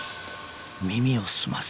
耳を澄ませ！］